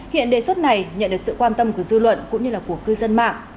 hiện đề xuất này nhận được sự quan tâm của dư luận cũng như là của cư dân mạng